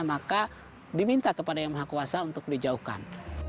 maka diminta kepada yang maha kuasa untuk dijauhkan